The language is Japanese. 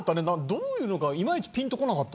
どういうのかいまいち、ぴんとこなかった。